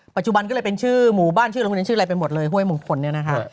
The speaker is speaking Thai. ปัจจุบันก็เลยเป็นชื่อหมู่บ้านชื่อโรงเรียนชื่ออะไรไปหมดเลยห้วยมงคลเนี่ยนะคะ